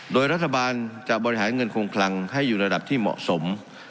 โดยรัฐบาลจะบริหารเงินคงคลังให้อยู่ระดับที่เหมาะสม